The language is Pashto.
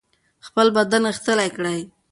خپل بدن غښتلی کړئ.